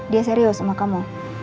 dia serius sama kamu